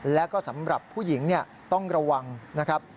แล้วก็สำหรับผู้หญิงต้องระวังนะครับ